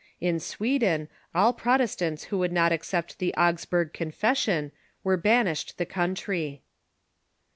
In Sweden all Protestants who Avould not accept the Augsburg Confession were banished the country.